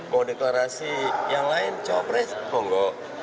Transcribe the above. mau deklarasi yang lain cawapres mau nggak